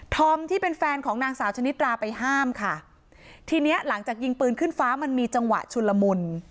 อมที่เป็นแฟนของนางสาวชนิดราไปห้ามค่ะทีเนี้ยหลังจากยิงปืนขึ้นฟ้ามันมีจังหวะชุนละมุน